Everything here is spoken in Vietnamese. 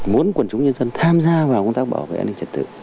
muốn quần chúng nhân dân tham gia vào công tác bảo vệ an ninh trật tự